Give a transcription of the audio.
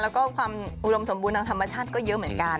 แล้วก็ความอุดมสมบูรณ์ทางธรรมชาติก็เยอะเหมือนกัน